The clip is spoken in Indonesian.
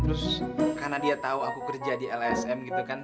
terus karena dia tahu aku kerja di lsm gitu kan